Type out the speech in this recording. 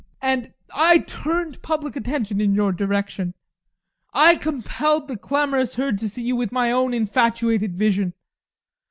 And I turned public attention in your direction. I compelled the clamorous herd to see you with my own infatuated vision.